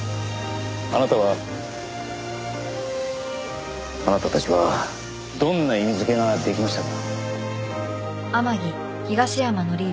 あなたはあなたたちはどんな意味づけができましたか？